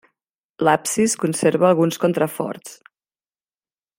L'absis conserva alguns contraforts.